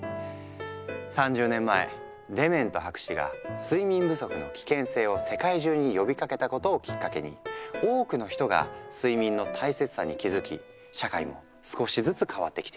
３０年前デメント博士が睡眠不足の危険性を世界中に呼びかけたことをきっかけに多くの人が睡眠の大切さに気付き社会も少しずつ変わってきている。